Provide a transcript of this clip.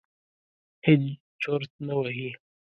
هېڅ چرت نه وهي.